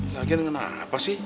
lagian kenapa sih